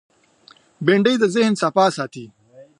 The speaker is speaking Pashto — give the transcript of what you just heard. بېنډۍ د ذهن صفا ساتي